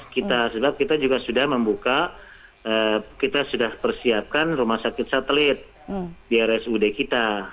kita sebab kita juga sudah membuka kita sudah persiapkan rumah sakit satelit di rsud kita